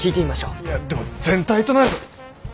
いやでも全体となると。